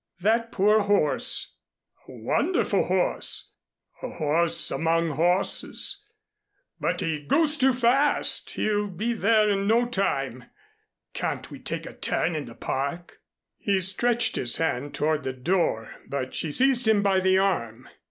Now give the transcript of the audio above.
"That poor horse " "A wonderful horse, a horse among horses, but he goes too fast. He'll be there in no time. Can't we take a turn in the Park?" He stretched his hand toward the door, but she seized him by the arm.